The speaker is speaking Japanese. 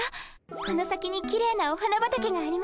この先にきれいなお花畑があります。